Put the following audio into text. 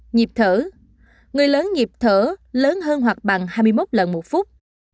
nhịp thở người lớn nhịp thở lớn hơn hoặc bằng hai mươi một lần một phút